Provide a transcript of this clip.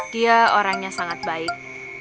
dia orangnya sangat baik